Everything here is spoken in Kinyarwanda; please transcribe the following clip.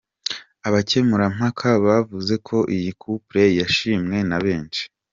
Abakemurampaka bavuze ko iyi couple yashimwe na benshi